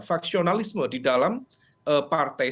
faksionalisme di dalam partai